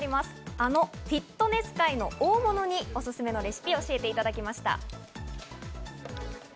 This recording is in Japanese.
あのフィットネス界の大物におすすめのレシピを教えていただきました。